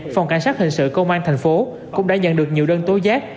phòng cảnh sát hình sự công an thành phố cũng đã nhận được nhiều đơn tối giác